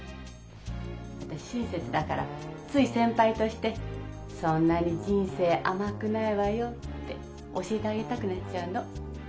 私親切だからつい先輩として「そんなに人生甘くないわよ」って教えてあげたくなっちゃうの。